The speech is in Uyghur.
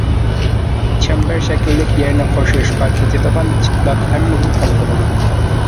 چەمبەر شەكىللىك يەرنى قورشاشقا كېتىدىغان چىتلاق ھەممىدىن ئاز بولىدۇ.